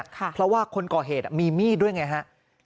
เพราะว่าคนก่อเหตุมีมีดด้วยไงฮะ